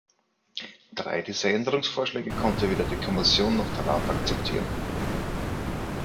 Drei dieser Änderungsvorschläge konnte weder die Kommission noch der Rat akzeptieren.